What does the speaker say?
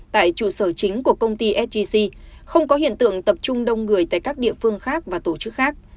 tại trụ sở chính của công ty sgc không có hiện tượng tập trung đông người tại các địa phương khác và tổ chức khác